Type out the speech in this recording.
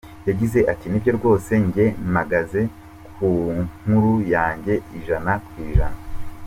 Yagize ati "Nibyo rwose njye mpagaze ku nkuru yanjye ijana ku ijana.